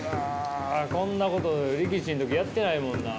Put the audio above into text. こんなこと力士の時やってないもんな。